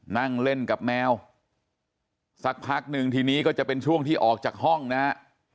นั่งเล่นกับแมวสักพักหนึ่งทีนี้ก็จะเป็นช่วงที่ออกจากห้องนะฮะ